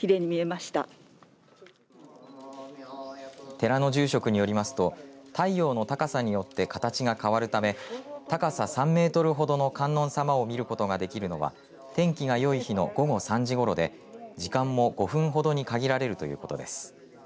寺の住職によりますと太陽の高さによって形が変わるため高さ３メートルほどの観音様を見ることができるのは天気がよい日の午後３時ごろで時間も５分ほどに限られるということです。